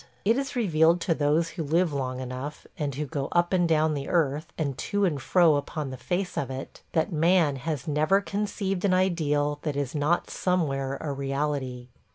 ... It is revealed to those who live long enough and who go up and down the earth, and to and fro upon the face of it, that man has never conceived an ideal that is not somewhere a reality.